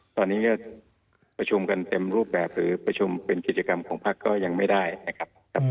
ตอนนี้ก็ประชุมกันเต็มรูปแบบหรือประชุมเป็นกิจกรรมของพักก็ยังไม่ได้นะครับ